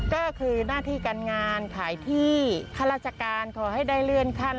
ก็คือหน้าที่การงานขายที่ข้าราชการขอให้ได้เลื่อนขั้น